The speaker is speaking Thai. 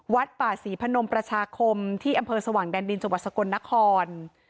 วัดป่าศรีพนมประชาคมที่อำเภอสว่างแดนดินจังหวัดสกลนคร